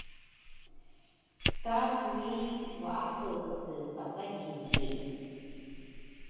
ka Kui waapece pathagili.